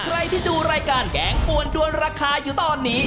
ใครที่ดูรายการแกงปวนด้วนราคาอยู่ตอนนี้